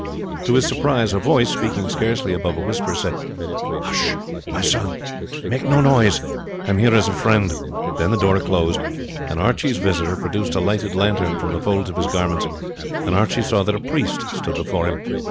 To his surprise a voice, speaking scarcely above a whisper, said: "Hush! my son, make no noise; I am here as a friend." Then the door closed, and Archie's visitor produced a lighted lantern from the folds of his garments, and Archie saw that a priest stood before him.